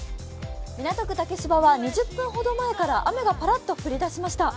港区竹芝は２０分ほど前から雨がパラッと降り出しました。